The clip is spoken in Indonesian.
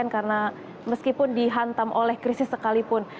karena meskipun dihantam oleh krisis sekalipun